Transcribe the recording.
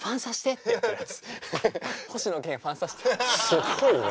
すごいな。